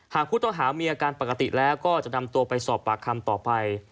หากผู้ต้องหามีอาการปกติแล้วก็จะนำตัวไปสอบปากคำต่อไป